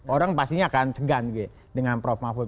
orang pastinya akan segan dengan prof mahfud